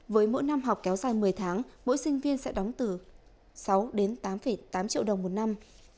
với mỗi năm học kéo dài một mươi tháng mỗi sinh viên sẽ đóng từ sáu đến tám tám triệu đồng một năm